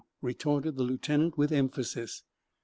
retorted the lieutenant, with emphasis.